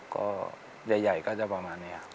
ก็ใหญ่ก็จะประมาณนี้ครับ